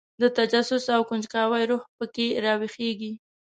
د تجسس او کنجکاوۍ روح په کې راویښېږي.